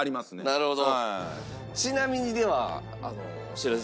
なるほど。